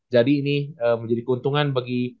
jadi ini menjadi keuntungan bagi